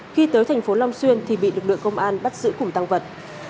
khi tới thành phố long xuyên thì bị lực lượng công an bắt giữ cùng tăng vật